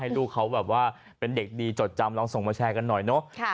ลูกเขาแบบว่าเป็นเด็กดีจดจำลองส่งมาแชร์กันหน่อยเนอะ